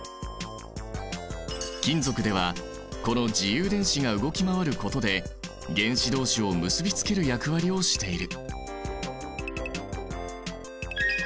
金属ではこの自由電子が動き回ることで原子どうしを結びつける役割をしている。